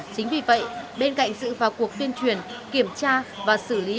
chính vì vậy bên cạnh sự vào cuộc tuyên truyền kiểm tra và xử lý